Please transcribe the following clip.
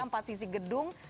empat sisi gedung